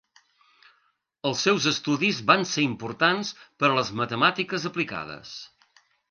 Els seus estudis van ser importants per a les matemàtiques aplicades.